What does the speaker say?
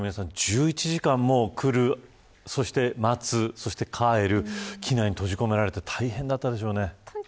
１１時間も来る、待つ、そして帰る機内に閉じ込められて大変だったでしょうね。